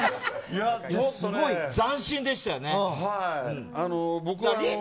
斬新でしたよね。